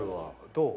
どう？